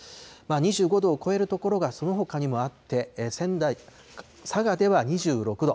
２５度を超える所が、そのほかにもあって、佐賀では２６度。